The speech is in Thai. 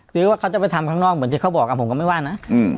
หรือว่าเขาจะไปทำข้างนอกเหมือนที่เขาบอกผมก็ไม่ว่านะ